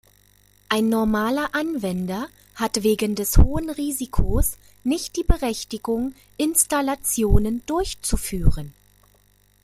Ein normaler Anwender hat wegen des hohen Risikos nicht die Berechtigung, Installationen durchzuführen.